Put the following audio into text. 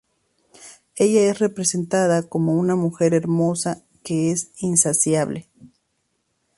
Ella es representada como una mujer hermosa que es insaciable.